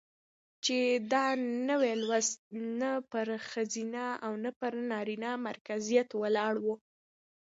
چې دا نوى لوست نه پر ښځينه او نه پر نرينه مرکزيت ولاړ و،